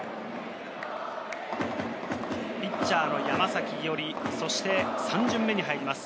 ピッチャーの山崎伊織、そして３巡目に入ります。